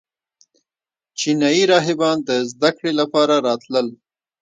چینایي راهبان د زده کړې لپاره راتلل